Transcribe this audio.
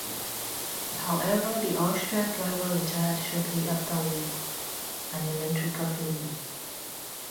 However, the Austrian driver retired shortly after with an electrical failure.